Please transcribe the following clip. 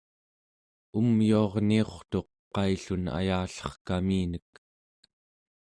umyuarniurtuq qaillun ayallerkaminek